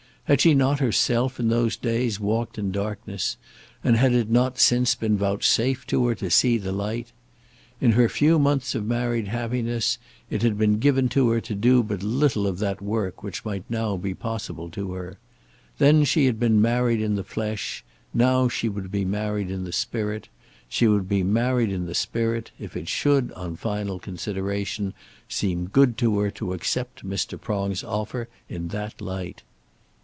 Had she not herself in those days walked in darkness, and had it not since that been vouchsafed to her to see the light? In her few months of married happiness it had been given to her to do but little of that work which might now be possible to her. Then she had been married in the flesh; now she would be married in the spirit; she would be married in the spirit, if it should, on final consideration, seem good to her to accept Mr. Prong's offer in that light.